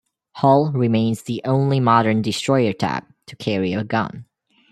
"Hull" remains the only modern destroyer-type to carry an gun.